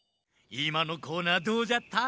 いまのコーナーどうじゃった？